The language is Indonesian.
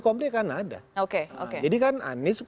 konflik akan ada jadi kan anies